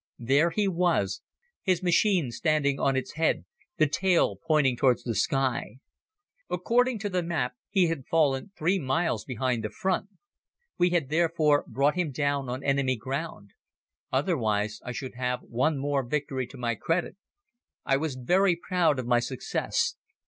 There he was, his machine standing on its head, the tail pointing towards the sky. According to the map he had fallen three miles behind the front. We had therefore brought him down on enemy ground. Otherwise I should have one more victory to my credit. I was very proud of my success.